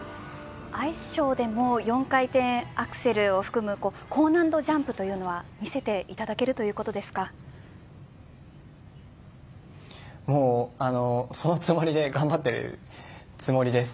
アイスショーでも４回転アクセルを含む高難度ジャンプというのは見せていただけるそういうつもりで頑張っているつもりです。